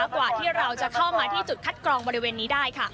กว่าที่เราจะเข้ามาที่จุดคัดกรองบริเวณนี้ได้ค่ะ